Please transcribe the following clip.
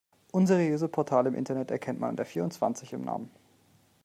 Unseriöse Portale im Internet erkennt man an der vierundzwanzig im Namen.